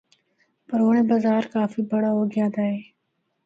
پر ہونڑ اے بازار کافی بڑا ہو گیا دا اے۔